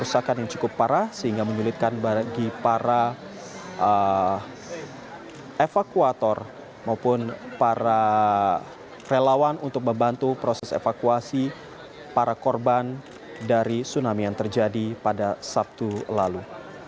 kerusakan yang cukup parah sehingga menyulitkan bagi para evakuator maupun para relawan untuk membantu proses evakuasi para korban dari tsunami yang terjadi pada sabtu lalu